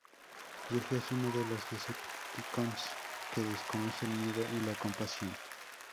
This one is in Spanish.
Dirge es uno de los Decepticons que desconoce el miedo y la compasión.